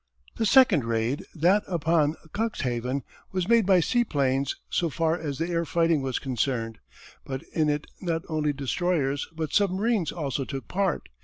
The second raid, that upon Cuxhaven, was made by seaplanes so far as the air fighting was concerned, but in it not only destroyers but submarines also took part.